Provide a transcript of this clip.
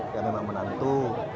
ya memang menantu